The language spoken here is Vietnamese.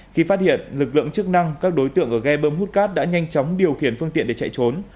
khi phát hiện lực lượng chức năng các đối tượng ở ghe bơm hút cát đã nhanh chóng điều khiển phương tiện để chạy trốn